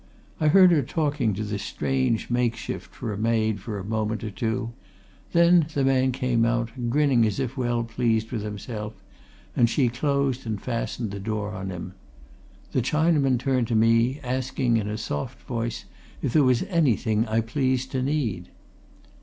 I heard her talking to this strange makeshift for a maid for a moment or two; then the man came out, grinning as if well pleased with himself, and she closed and fastened the door on him. The Chinaman turned to me, asking in a soft voice if there was anything I pleased to need.